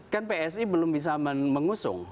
kan psi belum bisa mengusung